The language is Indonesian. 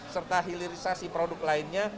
serta hilirisasi produk lainnya